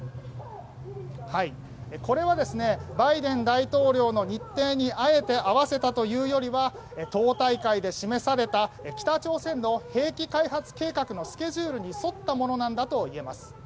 これはバイデン大統領の日程にあえて合わせたというよりは党大会で示された北朝鮮の兵器開発計画のスケジュールに沿ったものなんだといえます。